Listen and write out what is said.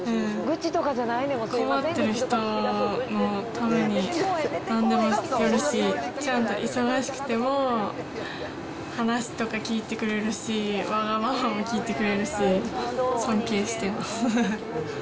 困ってる人のためになんでもやるし、ちゃんと忙しくても、話とか聞いてくれるし、わがままも聞いてくれるし、尊敬してます。